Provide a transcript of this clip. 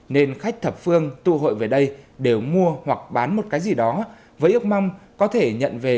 nên khách thập phương tu hội về đây đều mua hoặc bán một cái gì đó với ước mong có thể nhận về